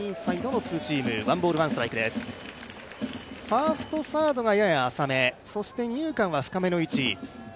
ファースト、サードがやや浅め、二遊間は深めの位置。